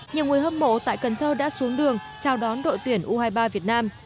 nhiều người hâm mộ tại cần thơ đã xuống đường chào đón đội tuyển u hai mươi ba việt nam